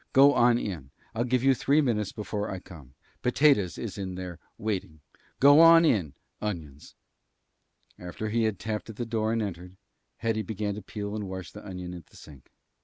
Go on in. I'll give you three minutes before I come. Potatoes is in there, waiting. Go on in, Onions." After he had tapped at the door and entered, Hetty began to peel and wash the onion at the sink.